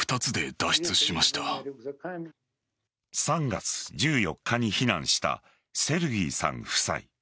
３月１４日に避難したセルギーさん夫妻。